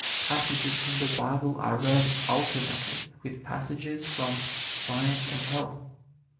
Passages from the Bible are read alternately with passages from "Science and Health."